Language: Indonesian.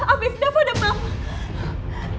afif dafa udah bangun